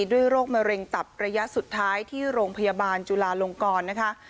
โรคมะเร็งตับระยะสุดท้ายที่โรงพยาบาลจุลาลงกรนะคะ